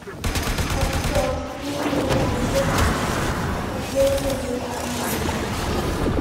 Ostrovsky is a talented man, but his plays for me are unbearable.